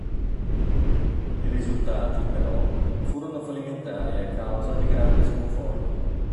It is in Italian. I risultati, però, furono fallimentari e causa di grande sconforto.